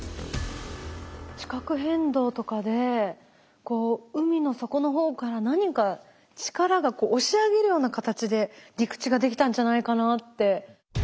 地殻変動とかで海の底の方から何か力が押し上げるような形で陸地ができたんじゃないかなって。